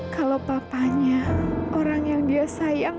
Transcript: kalau papanya orang yang dia sayang